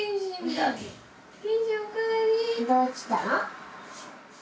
どうしたの？